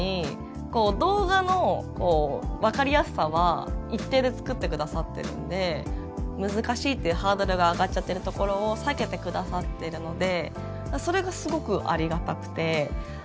不思議なのが作って下さってるんで難しいってハードルが上がっちゃってるところを下げてくださっているのでそれがすごくありがたくて。